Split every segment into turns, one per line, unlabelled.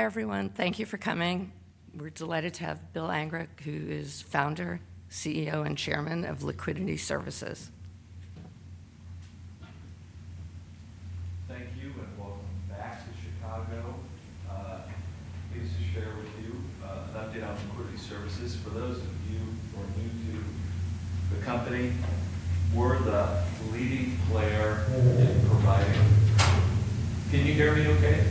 Hi everyone, thank you for coming. We're delighted to have Bill Angrick, who is Founder, CEO, and Chairman of Liquidity Services.
Thank you and welcome back to Chicago. This is very few, an update on Liquidity Services. For those of you who are new to the company, we're the leading player in providing. Can you hear me okay?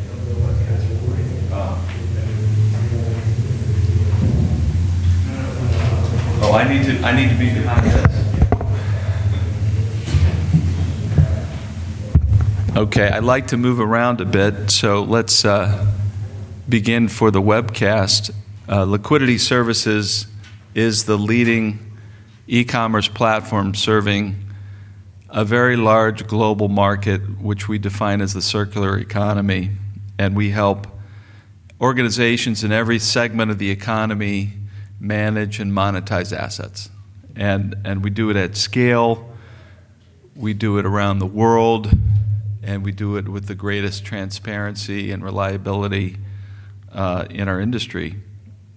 I need to meet the panel. Okay, I'd like to move around a bit, so let's begin for the webcast. Liquidity Services is the leading e-commerce platform serving a very large global market, which we define as the circular economy, and we help organizations in every segment of the economy manage and monetize assets. We do it at scale, we do it around the world, and we do it with the greatest transparency and reliability in our industry.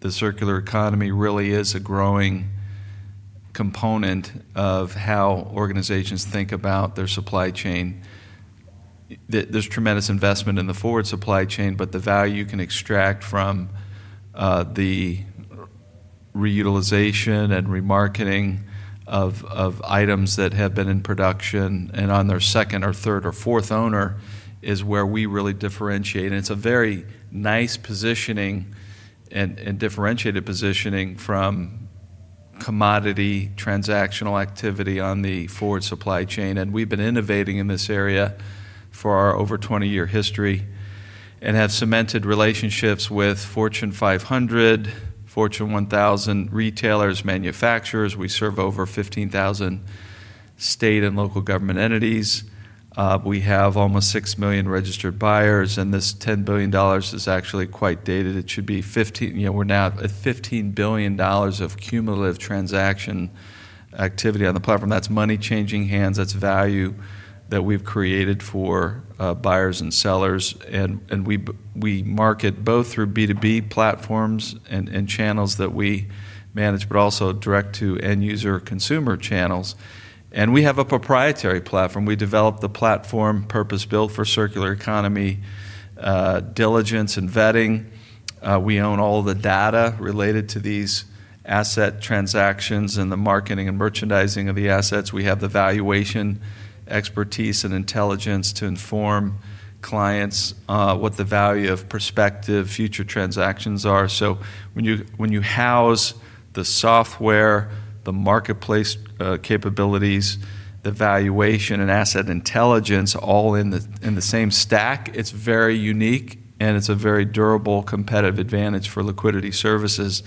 The circular economy really is a growing component of how organizations think about their supply chain. There's tremendous investment in the forward supply chain, but the value you can extract from the reutilization and remarketing of items that have been in production and on their second or third or fourth owner is where we really differentiate. It's a very nice positioning and differentiated positioning from commodity transactional activity on the forward supply chain. We've been innovating in this area for our over 20-year history and have cemented relationships with Fortune 500, Fortune 1000 retailers, manufacturers. We serve over 15,000 state and local government entities. We have almost 6 million registered buyers, and this $10 billion is actually quite dated. It should be $15 billion, you know, we're now at $15 billion of cumulative transaction activity on the platform. That's money changing hands. That's value that we've created for buyers and sellers. We market both through B2B platforms and channels that we manage, but also direct-to-end-user or consumer channels. We have a proprietary platform. We developed the platform purpose built for circular economy, diligence and vetting. We own all the data related to these asset transactions and the marketing and merchandising of the assets. We have the valuation expertise and intelligence to inform clients what the value of prospective future transactions are. When you house the software, the marketplace capabilities, the valuation and asset intelligence all in the same stack, it's very unique and it's a very durable competitive advantage for Liquidity Services.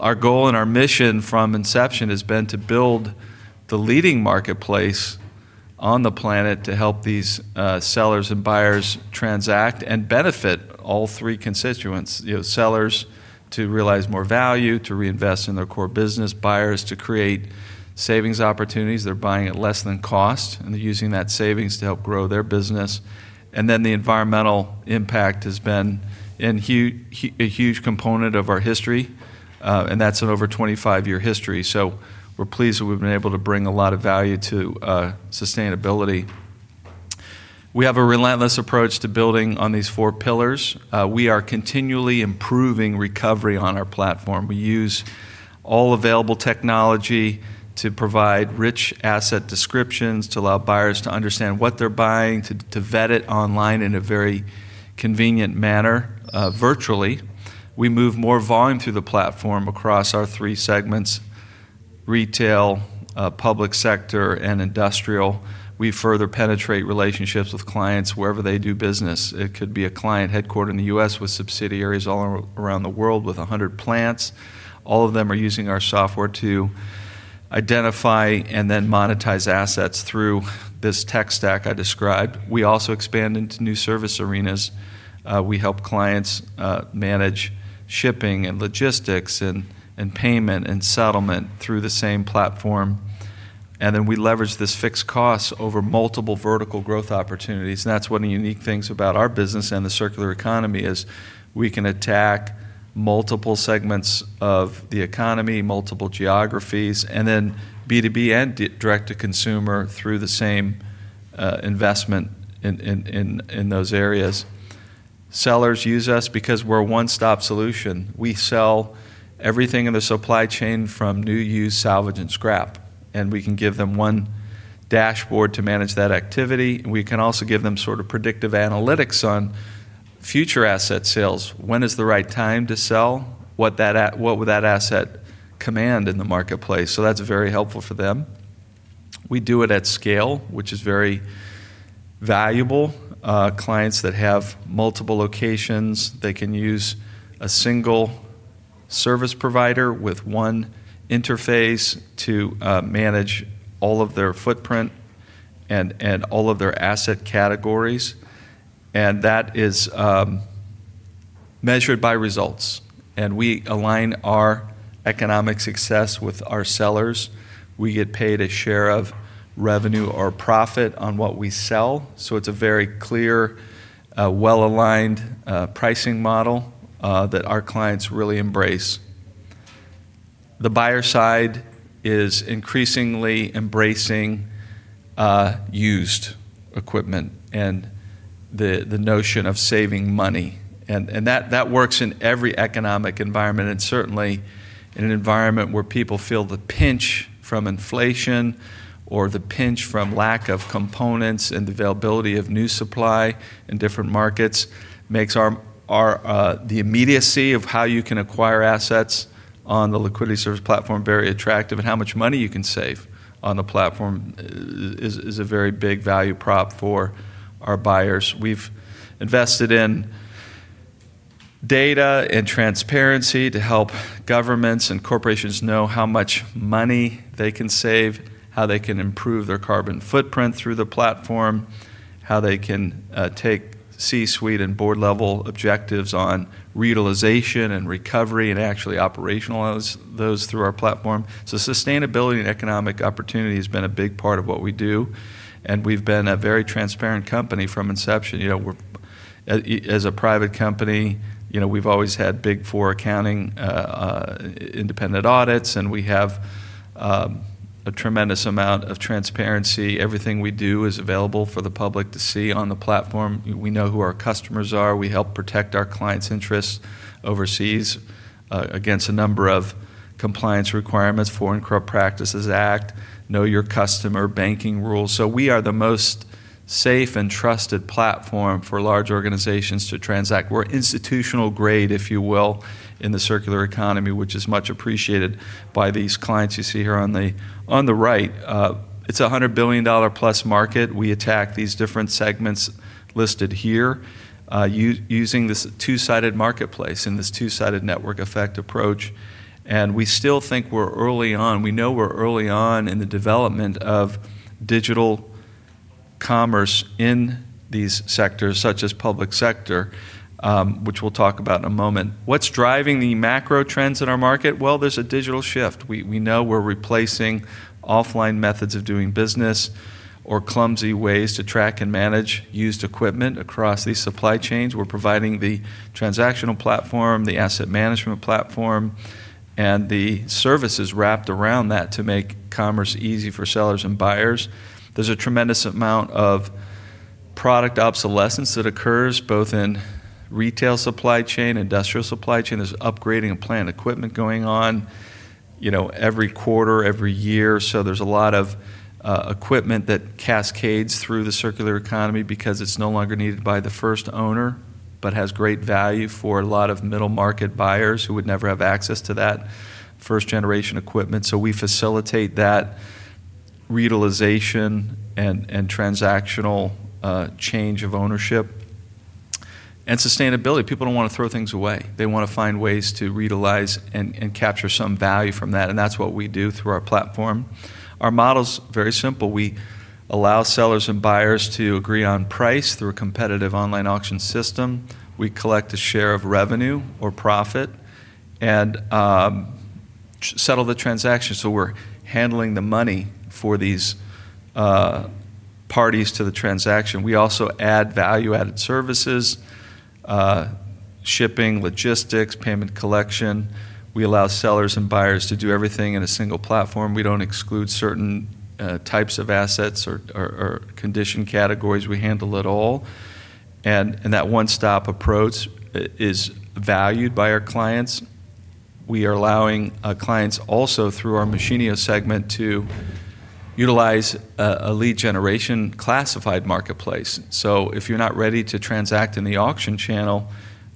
Our goal and our mission from inception has been to build the leading marketplace on the planet to help these sellers and buyers transact and benefit all three constituents, you know, sellers to realize more value, to reinvest in their core business, buyers to create savings opportunities. They're buying at less than cost and they're using that savings to help grow their business. The environmental impact has been a huge component of our history, and that's an over 25-year history. We're pleased that we've been able to bring a lot of value to sustainability. We have a relentless approach to building on these four pillars. We are continually improving recovery on our platform. We use all available technology to provide rich asset descriptions to allow buyers to understand what they're buying, to vet it online in a very convenient manner, virtually. We move more volume through the platform across our three segments: retail, public sector, and industrial. We further penetrate relationships with clients wherever they do business. It could be a client headquartered in the U.S. with subsidiaries all around the world with 100 plants. All of them are using our software to identify and then monetize assets through this tech stack I described. We also expand into new service arenas. We help clients manage shipping and logistics and payment and settlement through the same platform. We leverage this fixed cost over multiple vertical growth opportunities. That's one of the unique things about our business and the circular economy. We can attack multiple segments of the economy, multiple geographies, and B2B and direct-to-consumer through the same investment in those areas. Sellers use us because we're a one-stop solution. We sell everything in the supply chain from new, used, salvage, and scrap. We can give them one dashboard to manage that activity. We can also give them predictive analytics on future asset sales. When is the right time to sell? What would that asset command in the marketplace? That's very helpful for them. We do it at scale, which is very valuable. Clients that have multiple locations can use a single service provider with one interface to manage all of their footprint and all of their asset categories. That is measured by results. We align our economic success with our sellers. We get paid a share of revenue or profit on what we sell. It's a very clear, well-aligned pricing model that our clients really embrace. The buyer side is increasingly embracing used equipment and the notion of saving money. That works in every economic environment, and certainly in an environment where people feel the pinch from inflation or the pinch from lack of components and the availability of new supply in different markets makes the immediacy of how you can acquire assets on the Liquidity Services platform very attractive. How much money you can save on the platform is a very big value prop for our buyers. We've invested in data and transparency to help governments and corporations know how much money they can save, how they can improve their carbon footprint through the platform, how they can take C-Suite and board level objectives on reutilization and recovery and actually operationalize those through our platform. Sustainability and economic opportunity have been a big part of what we do. We've been a very transparent company from inception. As a private company, we've always had Big Four accounting, independent audits, and we have a tremendous amount of transparency. Everything we do is available for the public to see on the platform. We know who our customers are. We help protect our clients' interests overseas against a number of compliance requirements, Foreign Corrupt Practices Act, Know Your Customer banking rules. We are the most safe and trusted platform for large organizations to transact. We're institutional grade, if you will, in the circular economy, which is much appreciated by these clients you see here on the right. It's $100+ plus market. We attack these different segments listed here using this two-sided marketplace and this two-sided network effect approach. We still think we're early on. We know we're early on in the development of digital commerce in these sectors, such as public sector, which we'll talk about in a moment. What's driving the macro trends in our market? There's a digital shift. We know we're replacing offline methods of doing business or clumsy ways to track and manage used equipment across these supply chains. We're providing the transactional platform, the asset management platform, and the services wrapped around that to make commerce easy for sellers and buyers. There's a tremendous amount of product obsolescence that occurs both in retail supply chain and industrial supply chain. There's upgrading of plant equipment going on every quarter, every year. There is a lot of equipment that cascades through the circular economy because it's no longer needed by the first owner, but has great value for a lot of middle market buyers who would never have access to that first generation equipment. We facilitate that reutilization and transactional change of ownership. Sustainability is important. People don't want to throw things away. They want to find ways to reutilize and capture some value from that. That's what we do through our platform. Our model's very simple. We allow sellers and buyers to agree on price through a competitive online auction system. We collect a share of revenue or profit and settle the transaction. We're handling the money for these parties to the transaction. We also add value-added services: shipping, logistics, payment collection. We allow sellers and buyers to do everything in a single platform. We don't exclude certain types of assets or condition categories. We handle it all, and that one-stop approach is valued by our clients. We are allowing clients also through our Machinio segment to utilize a lead generation classified marketplace. If you're not ready to transact in the auction channel,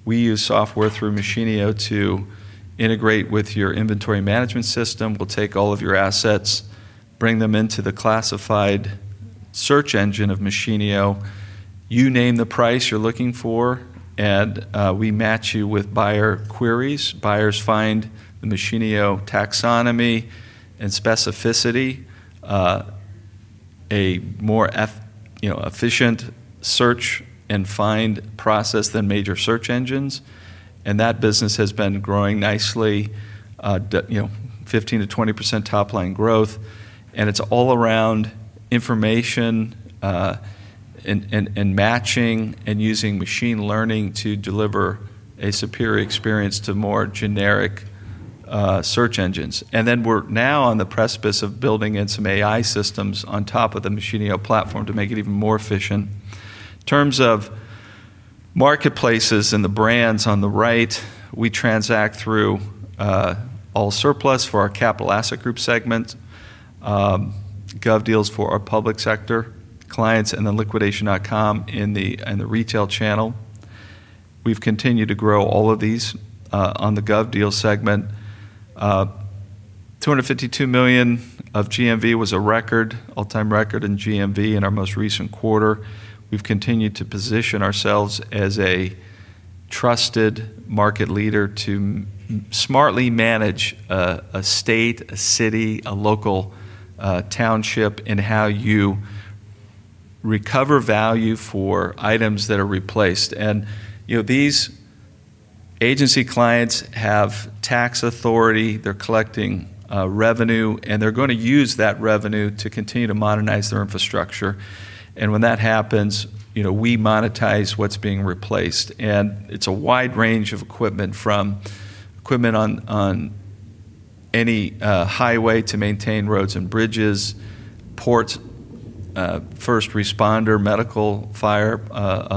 we use software through Machinio to integrate with your inventory management system. We'll take all of your assets, bring them into the classified search engine of Machinio. You name the price you're looking for, and we match you with buyer queries. Buyers find the Machinio taxonomy and specificity a more efficient search and find process than major search engines. That business has been growing nicely, 15%-20% top-line growth. It's all around information and matching and using machine learning to deliver a superior experience to more generic search engines. We're now on the precipice of building in some AI systems on top of the Machinio platform to make it even more efficient. In terms of marketplaces and the brands on the right, we transact through AllSurplus for our Capital Asset Group segment, GovDeals for our public sector clients, and then Liquidation.com in the retail channel. We've continued to grow all of these. On the GovDeals segment, $252 million of GMV was a record, all-time record in GMV in our most recent quarter. We've continued to position ourselves as a trusted market leader to smartly manage a state, a city, a local township in how you recover value for items that are replaced. These agency clients have tax authority, they're collecting revenue, and they're going to use that revenue to continue to modernize their infrastructure. When that happens, we monetize what's being replaced. It's a wide range of equipment from equipment on any highway to maintain roads and bridges, ports, first responder, medical, fire,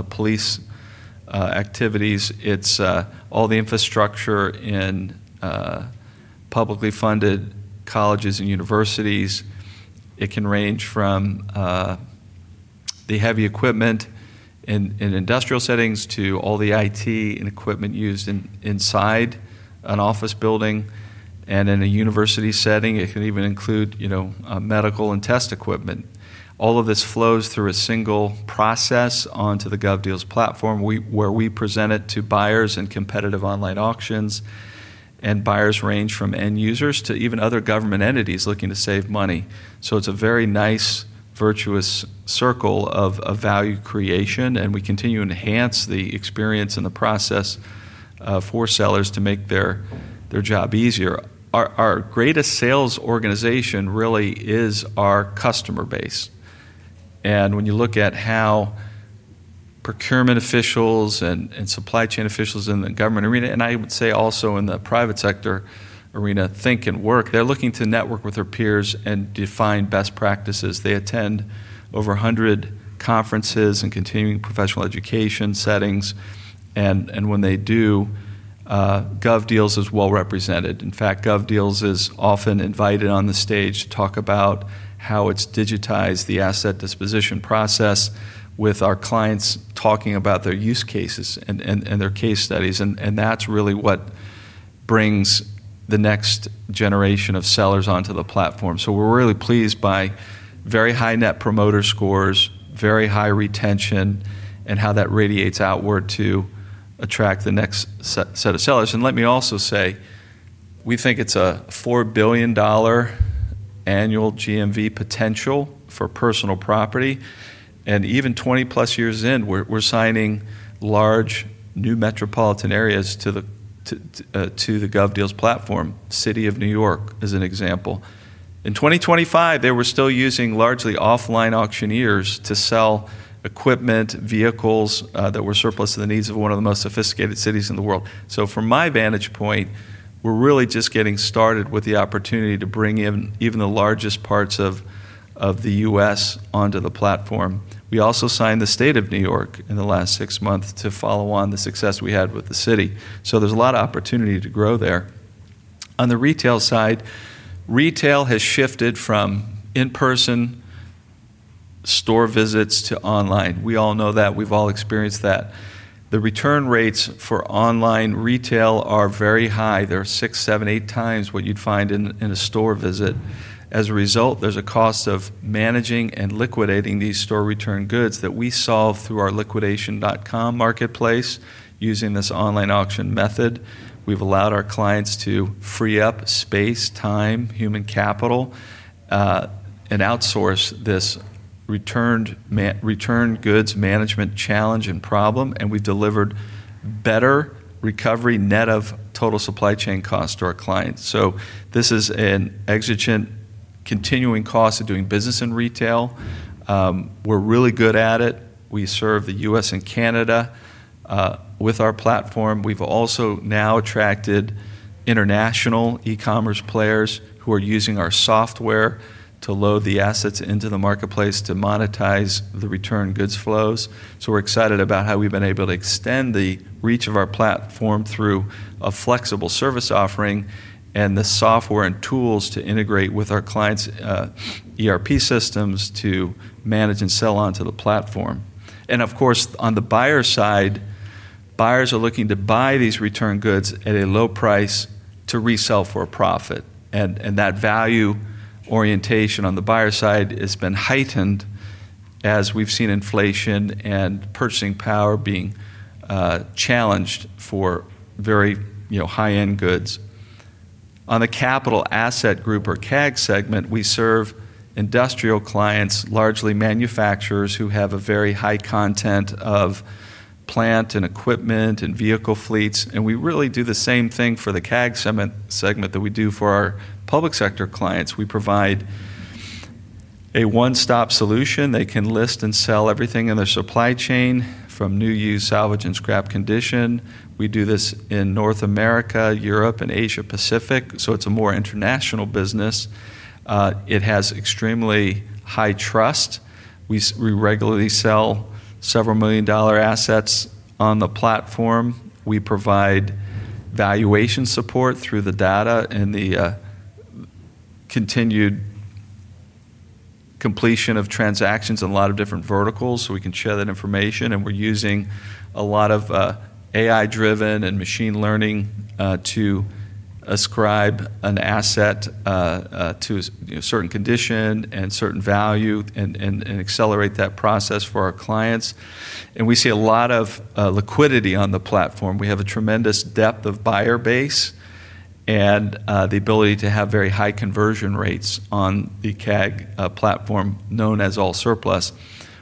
police activities. It's all the infrastructure in publicly funded colleges and universities. It can range from the heavy equipment in industrial settings to all the IT and equipment used inside an office building. In a university setting, it can even include medical and test equipment. All of this flows through a single process onto the GovDeals platform where we present it to buyers in competitive online auctions. Buyers range from end users to even other government entities looking to save money. It's a very nice, virtuous circle of value creation. We continue to enhance the experience and the process for sellers to make their job easier. Our greatest sales organization really is our customer base. When you look at how procurement officials and supply chain officials in the government arena, and I would say also in the private sector arena, think and work, they're looking to network with their peers and define best practices. They attend over 100 conferences and continuing professional education settings. When they do, GovDeals is well represented. In fact, GovDeals is often invited on the stage to talk about how it's digitized the asset disposition process with our clients talking about their use cases and their case studies. That's really what brings the next generation of sellers onto the platform. We're really pleased by very high net promoter scores, very high retention, and how that radiates outward to attract the next set of sellers. Let me also say, we think it's a $4 billion annual GMV potential for personal property. Even 20+ years in, we're signing large new metropolitan areas to the GovDeals platform. City of New York is an example. In 2025, they were still using largely offline auctioneers to sell equipment, vehicles, that were surplus to the needs of one of the most sophisticated cities in the world. From my vantage point, we're really just getting started with the opportunity to bring in even the largest parts of the U.S. onto the platform. We also signed the State of New York in the last six months to follow on the success we had with the City. There's a lot of opportunity to grow there. On the retail side, retail has shifted from in-person store visits to online. We all know that. We've all experienced that. The return rates for online retail are very high. They're six, seven, 8x what you'd find in a store visit. As a result, there's a cost of managing and liquidating these store returned goods that we solve through our Liquidation.com marketplace using this online auction method. We've allowed our clients to free up space, time, human capital, and outsource this returned goods management challenge and problem. We've delivered better recovery net of total supply chain costs to our clients. This is an exigent continuing cost of doing business in retail. We're really good at it. We serve the U.S. and Canada with our platform. We've also now attracted international e-commerce players who are using our software to load the assets into the marketplace to monetize the returned goods flows. We're excited about how we've been able to extend the reach of our platform through a flexible service offering and the software and tools to integrate with our clients' ERP systems to manage and sell onto the platform. Of course, on the buyer side, buyers are looking to buy these returned goods at a low price to resell for a profit. That value orientation on the buyer side has been heightened as we've seen inflation and purchasing power being challenged for very high-end goods. On the Capital Asset Group or CAG segment, we serve industrial clients, largely manufacturers who have a very high content of plant and equipment and vehicle fleets. We really do the same thing for the CAG segment that we do for our public sector clients. We provide a one-stop solution. They can list and sell everything in their supply chain from new, used, salvage, and scrap condition. We do this in North America, Europe, and Asia Pacific. It's a more international business. It has extremely high trust. We regularly sell several million dollar assets on the platform. We provide valuation support through the data and the continued completion of transactions in a lot of different verticals. We can share that information. We're using a lot of AI-driven and machine learning to ascribe an asset to a certain condition and certain value and accelerate that process for our clients. We see a lot of liquidity on the platform. We have a tremendous depth of buyer base and the ability to have very high conversion rates on the CAG platform known as AllSurplus.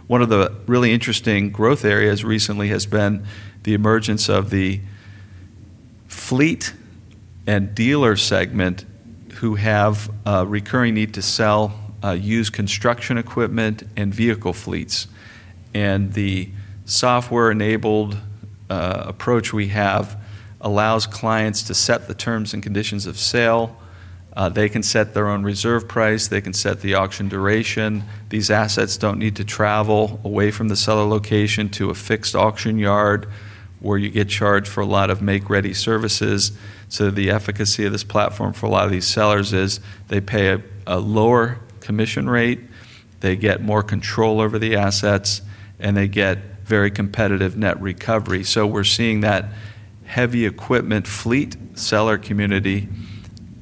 One of the really interesting growth areas recently has been the emergence of the fleet and dealer segment who have a recurring need to sell used construction equipment and vehicle fleets. The software-enabled approach we have allows clients to set the terms and conditions of sale. They can set their own reserve price. They can set the auction duration. These assets don't need to travel away from the seller location to a fixed auction yard where you get charged for a lot of make-ready services. The efficacy of this platform for a lot of these sellers is they pay a lower commission rate, they get more control over the assets, and they get very competitive net recovery. We're seeing that heavy equipment fleet seller community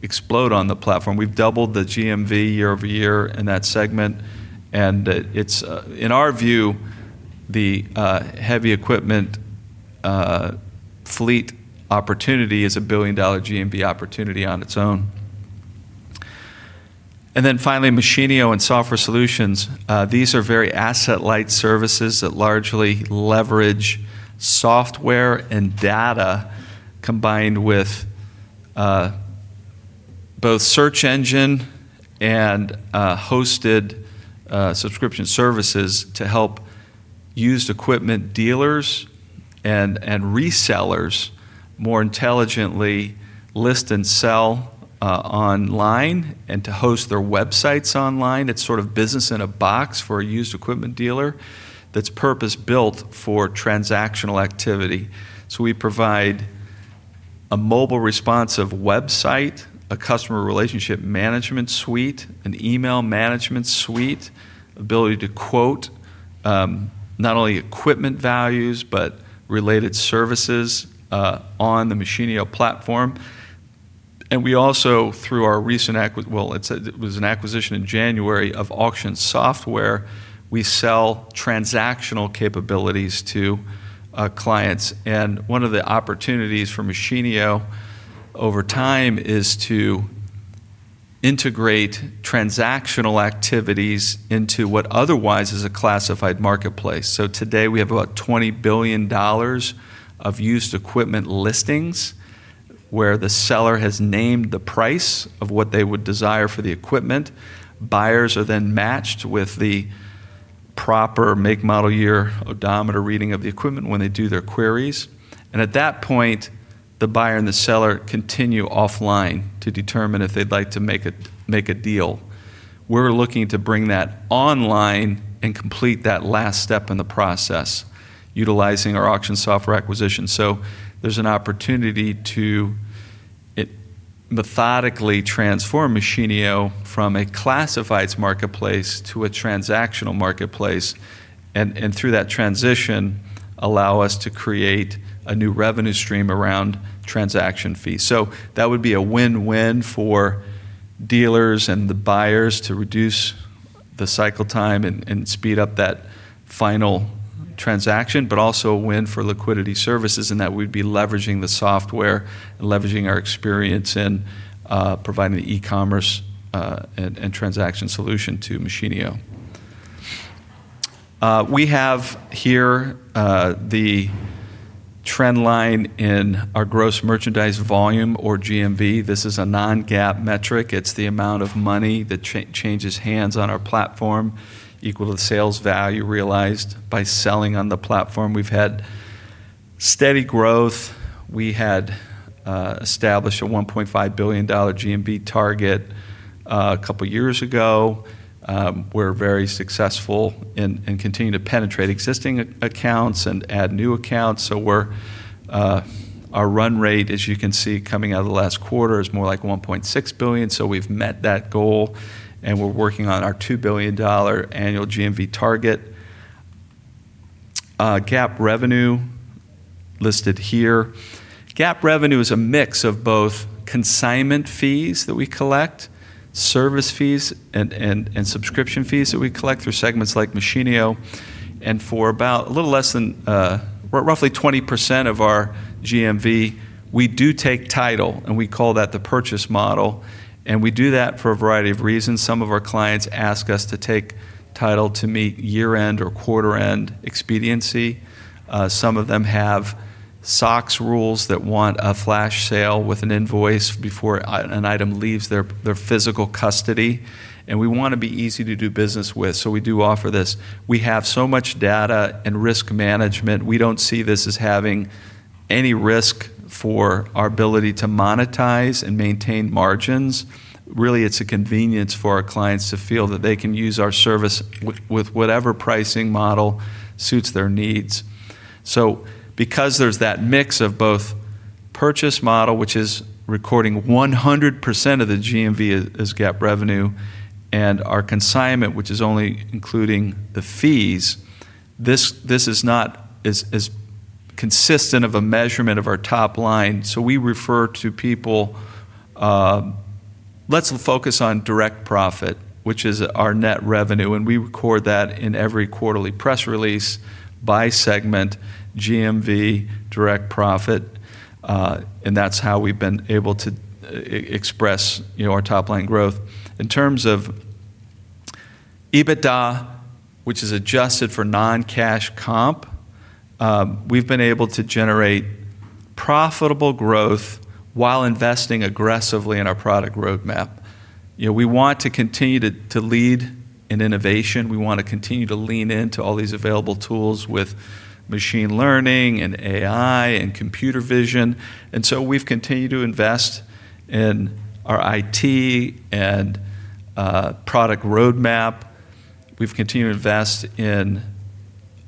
explode on the platform. We've doubled the GMV year- over-year in that segment. In our view, the heavy equipment fleet opportunity is $1 billion GMV opportunity on its own. Finally, Machinio and software solutions are very asset-light services that largely leverage software and data combined with both search engine and hosted subscription services to help used equipment dealers and resellers more intelligently list and sell online and to host their websites online. It's sort of business in a box for a used equipment dealer that's purpose built for transactional activity. We provide a mobile responsive website, a customer relationship management suite, an email management suite, ability to quote not only equipment values but related services on the Machinio platform. We also, through our recent acquisition—it was an acquisition in January of Auction Software—sell transactional capabilities to clients. One of the opportunities for Machinio over time is to integrate transactional activities into what otherwise is a classified marketplace. Today we have about $20 billion of used equipment listings where the seller has named the price of what they would desire for the equipment. Buyers are then matched with the proper make, model, year, odometer reading of the equipment when they do their queries. At that point, the buyer and the seller continue offline to determine if they'd like to make a deal. We're looking to bring that online and complete that last step in the process utilizing our Auction Software acquisition. There's an opportunity to methodically transform Machinio from a classified marketplace to a transactional marketplace. Through that transition, allow us to create a new revenue stream around transaction fees. That would be a win-win for dealers and the buyers to reduce the cycle time and speed up that final transaction, but also a win for Liquidity Services. That would be leveraging the software and leveraging our experience in providing the e-commerce and transaction solution to Machinio. We have here the trend line in our gross merchandise volume, or GMV. This is a non-GAAP metric. It's the amount of money that changes hands on our platform equal to the sales value realized by selling on the platform. We've had steady growth. We had established a $1.5 billion GMV target a couple of years ago. We're very successful in continuing to penetrate existing accounts and add new accounts. Our run rate, as you can see, coming out of the last quarter is more like $1.6 billion. We've met that goal. We're working on our $2 billion annual GMV target. GAAP revenue listed here. GAAP revenue is a mix of both consignment fees that we collect, service fees, and subscription fees that we collect through segments like Machinio. For about a little less than, roughly 20% of our GMV, we do take title, and we call that the purchase model. We do that for a variety of reasons. Some of our clients ask us to take title to meet year-end or quarter-end expediency. Some of them have SOX rules that want a flash sale with an invoice before an item leaves their physical custody. We want to be easy to do business with. We do offer this. We have so much data and risk management. We don't see this as having any risk for our ability to monetize and maintain margins. Really, it's a convenience for our clients to feel that they can use our service with whatever pricing model suits their needs. Because there's that mix of both purchase model, which is recording 100% of the GMV as GAAP revenue, and our consignment, which is only including the fees, this is not as consistent of a measurement of our top line. We refer to people, let's focus on direct profit, which is our net revenue. We record that in every quarterly press release by segment, GMV, direct profit, and that's how we've been able to express our top line growth. In terms of EBITDA, which is adjusted for non-cash comp, we've been able to generate profitable growth while investing aggressively in our product roadmap. We want to continue to lead in innovation. We want to continue to lean into all these available tools with machine learning and AI and computer vision. We've continued to invest in our IT and product roadmap. We've continued to invest in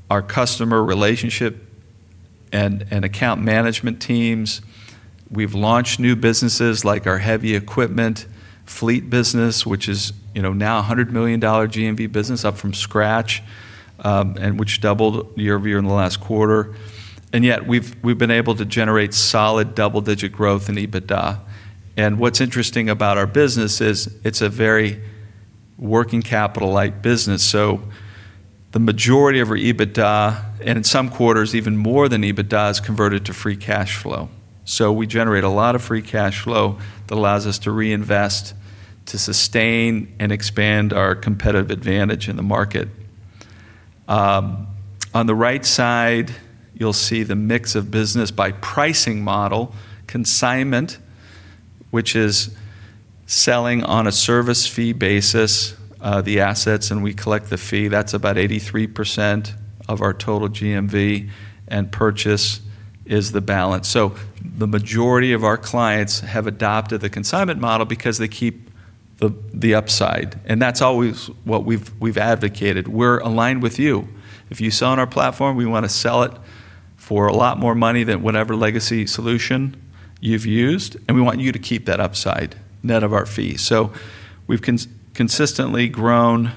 our customer relationship and account management teams. We've launched new businesses like our heavy equipment fleet business, which is now a $100 million GMV business up from scratch, and which doubled year-over-year in the last quarter. Yet we've been able to generate solid double-digit growth in EBITDA. What's interesting about our business is it's a very working capital-light business. The majority of our EBITDA, and in some quarters, even more than EBITDA, is converted to free cash flow. We generate a lot of free cash flow that allows us to reinvest to sustain and expand our competitive advantage in the market. On the right side, you'll see the mix of business by pricing model. Consignment, which is selling on a service fee basis, the assets, and we collect the fee, that's about 83% of our total GMV, and purchase is the balance. The majority of our clients have adopted the consignment model because they keep the upside. That's always what we've advocated. We're aligned with you. If you sell on our platform, we want to sell it for a lot more money than whatever legacy solution you've used. We want you to keep that upside, net of our fees. We've consistently grown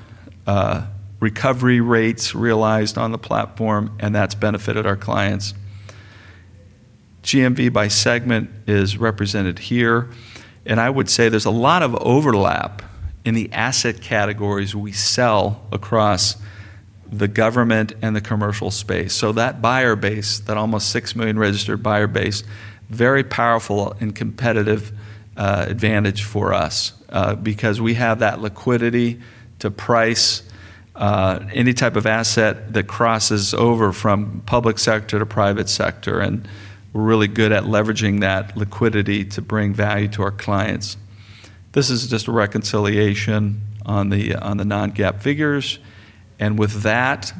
recovery rates realized on the platform, and that's benefited our clients. GMV by segment is represented here. I would say there's a lot of overlap in the asset categories we sell across the government and the commercial space. That buyer base, that almost 6 million registered buyer base, is a very powerful and competitive advantage for us because we have that liquidity to price any type of asset that crosses over from public sector to private sector. We're really good at leveraging that liquidity to bring value to our clients. This is just a reconciliation on the non-GAAP figures. With that,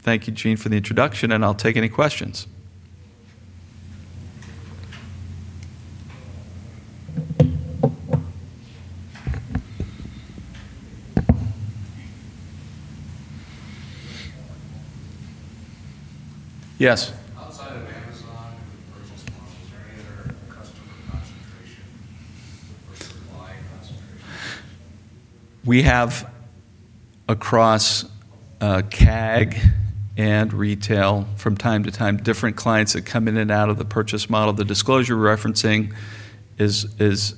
thank you, Gene, for the introduction, and I'll take any questions. Yes. On the purchase model, is there any other customer concentration that pushes the buying cost? We have across CAG and retail from time to time, different clients that come in and out of the purchase model. The disclosure referencing is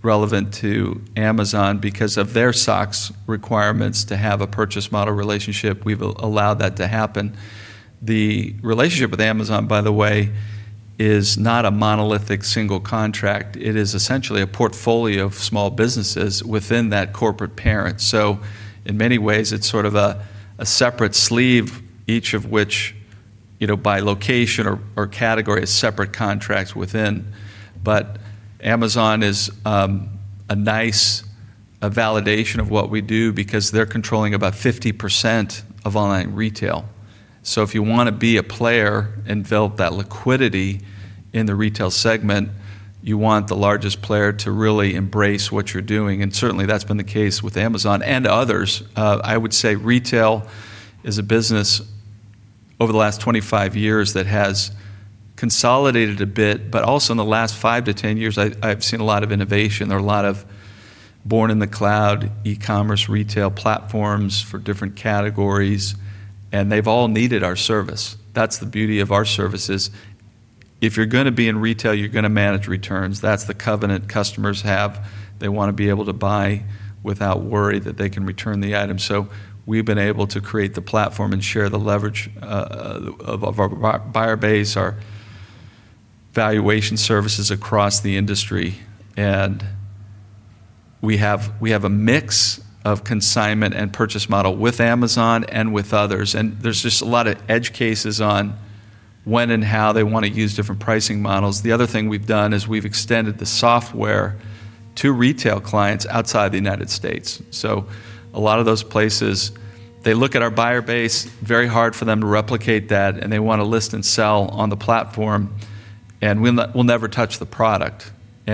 relevant to Amazon because of their SOX requirements to have a purchase model relationship. We've allowed that to happen. The relationship with Amazon, by the way, is not a monolithic single contract. It is essentially a portfolio of small businesses within that corporate parent. In many ways, it's sort of a separate sleeve, each of which, you know, by location or category, a separate contract within. Amazon is a nice validation of what we do because they're controlling about 50% of online retail. If you want to be a player and develop that liquidity in the retail segment, you want the largest player to really embrace what you're doing. Certainly, that's been the case with Amazon and others. I would say retail is a business over the last 25 years that has consolidated a bit, but also in the last five yo 10 years, I've seen a lot of innovation. There are a lot of born-in-the-cloud e-commerce retail platforms for different categories, and they've all needed our service. That's the beauty of our services. If you're going to be in retail, you're going to manage returns. That's the covenant customers have. They want to be able to buy without worry that they can return the item. We've been able to create the platform and share the leverage of our buyer base, our valuation services across the industry. We have a mix of consignment and purchase model with Amazon and with others. There's just a lot of edge cases on when and how they want to use different pricing models. The other thing we've done is we've extended the software to retail clients outside the United States. A lot of those places, they look at our buyer base, very hard for them to replicate that, and they want to list and sell on the platform, and we'll never touch the product.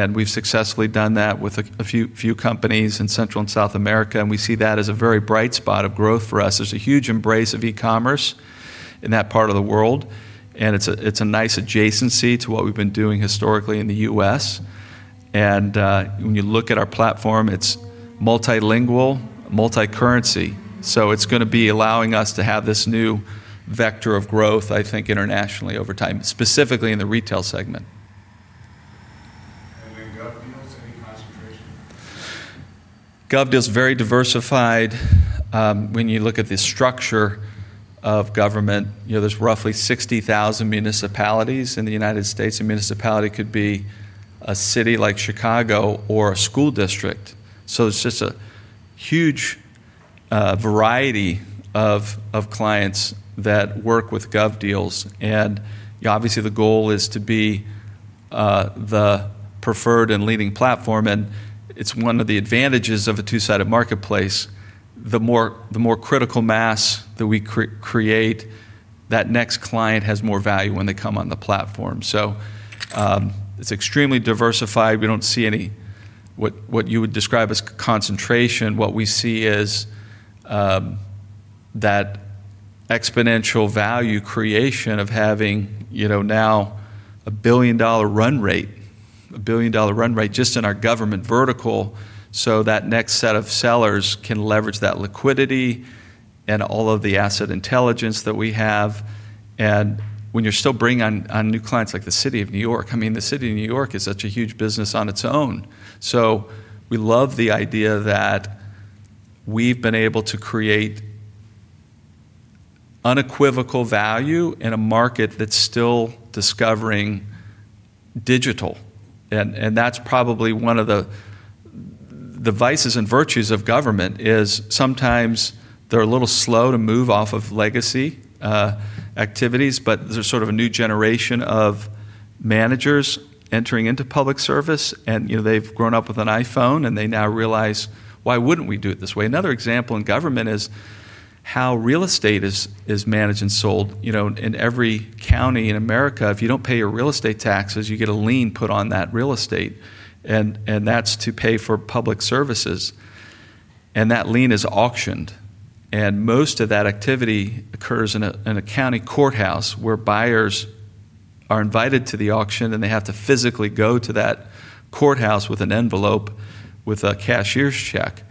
We've successfully done that with a few companies in Central and South America. We see that as a very bright spot of growth for us. There's a huge embrace of e-commerce in that part of the world. It's a nice adjacency to what we've been doing historically in the U.S. When you look at our platform, it's multilingual, multi-currency. It's going to be allowing us to have this new vector of growth, I think, internationally over time, specifically in the retail segment. GovDeals is very diversified. When you look at the structure of government, you know, there's roughly 60,000 municipalities in the United States. A municipality could be a city like Chicago or a school district. It's just a huge variety of clients that work with GovDeals. Obviously, the goal is to be the preferred and leading platform. It's one of the advantages of a two-sided marketplace. The more critical mass that we create, that next client has more value when they come on the platform. It's extremely diversified. We don't see any what you would describe as concentration. What we see is that exponential value creation of having, you know, now a $1 billion run rate, a $1 billion run rate just in our government vertical. That next set of sellers can leverage that liquidity and all of the asset intelligence that we have. When you're still bringing on new clients like the City of New York, I mean, the City and State of New York is such a huge business on its own. We love the idea that we've been able to create unequivocal value in a market that's still discovering digital. That's probably one of the vices and virtues of government is sometimes they're a little slow to move off of legacy activities, but there's sort of a new generation of managers entering into public service. You know, they've grown up with an iPhone and they now realize, why wouldn't we do it this way? Another example in government is how real estate is managed and sold. In every county in America, if you don't pay your real estate taxes, you get a lien put on that real estate. That's to pay for public services. That lien is auctioned. Most of that activity occurs in a county courthouse where buyers are invited to the auction and they have to physically go to that courthouse with an envelope with a cashier's check.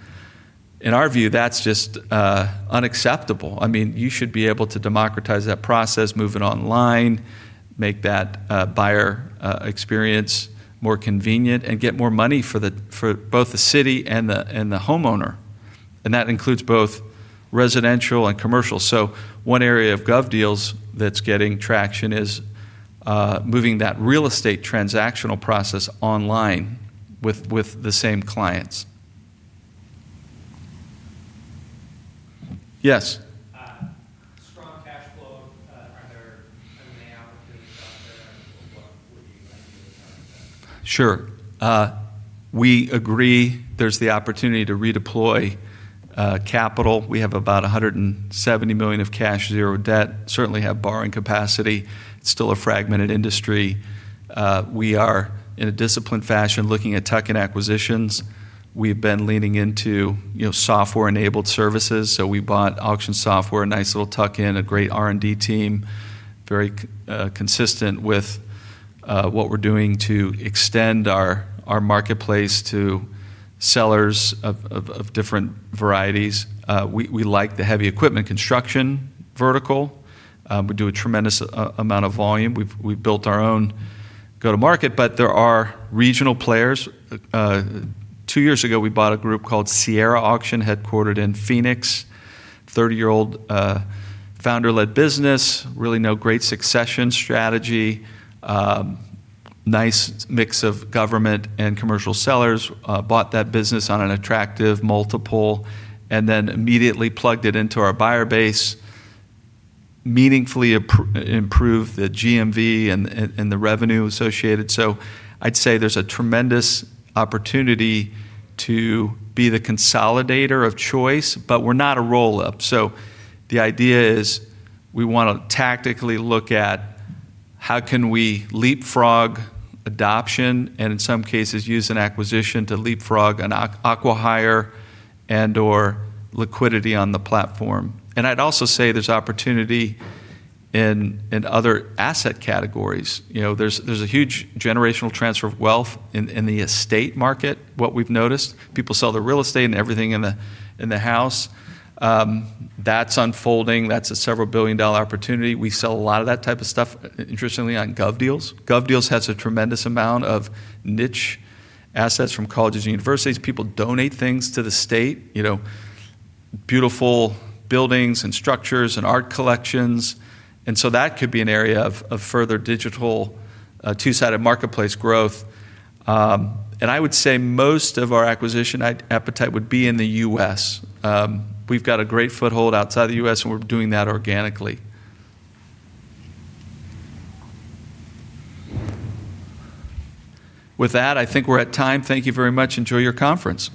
In our view, that's just unacceptable. You should be able to democratize that process, move it online, make that buyer experience more convenient, and get more money for both the city and the homeowner. That includes both residential and commercial. One area of GovDeals that's getting traction is moving that real estate transactional process online with the same clients. Yes, we agree there's the opportunity to redeploy capital. We have about $170 million of cash, zero debt, certainly have borrowing capacity. It's still a fragmented industry. We are, in a disciplined fashion, looking at tuck-in acquisitions. We've been leaning into software-enabled services. We bought Auction Software, a nice little tuck-in, a great R&D team, very consistent with what we're doing to extend our marketplace to sellers of different varieties. We like the heavy equipment construction vertical. We do a tremendous amount of volume. We've built our own go-to-market, but there are regional players. Two years ago, we bought a group called Sierra Auction, headquartered in Phoenix, a 30-year-old, founder-led business, really no great succession strategy. Nice mix of government and commercial sellers, bought that business on an attractive multiple, and then immediately plugged it into our buyer base, meaningfully improved the GMV and the revenue associated. I'd say there's a tremendous opportunity to be the consolidator of choice. We're not a roll-up. The idea is we want to tactically look at how we can leapfrog adoption and, in some cases, use an acquisition to leapfrog an acquihire and/or liquidity on the platform. I'd also say there's opportunity in other asset categories. There's a huge generational transfer of wealth in the estate market, what we've noticed. People sell their real estate and everything in the house. That's unfolding. That's a several-billion-dollar opportunity. We sell a lot of that type of stuff, interestingly, on GovDeals. GovDeals has a tremendous amount of niche assets from colleges and universities. People donate things to the state, beautiful buildings and structures and art collections. That could be an area of further digital, two-sided marketplace growth. I would say most of our acquisition appetite would be in the U.S. We've got a great foothold outside the U.S., and we're doing that organically. With that, I think we're at time. Thank you very much. Enjoy your conference.